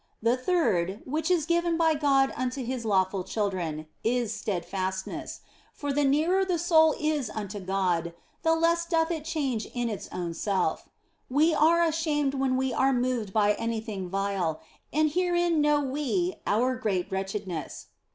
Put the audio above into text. The third (which is given by God unto His lawful children) is steadfastness ; for the nearer the soul is unto God, the less doth it change in OF FOLIGNO 137 its own self. We are ashamed when we are moved by anything vile, and herein know we our great wretchedness.